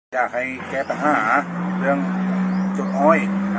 อยากให้แก้ปัญหาเรื่องจุดอ้อย